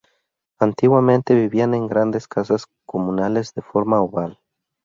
Antiguamente vivían en grandes casas comunales de forma oval.